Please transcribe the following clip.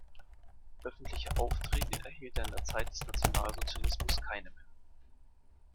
Öffentliche Aufträge erhielt er in der Zeit des Nationalsozialismus keine mehr.